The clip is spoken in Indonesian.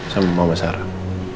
sama mama sarah